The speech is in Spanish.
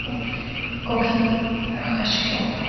Koji Hashimoto